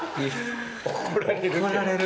怒られる。